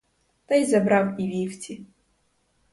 Та й забрав і вівці.